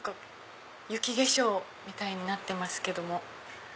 雪化粧みたいになってますけども。